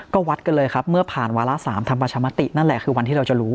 ก็วัดกันเลยครับเมื่อผ่านวาระ๓ทำประชามตินั่นแหละคือวันที่เราจะรู้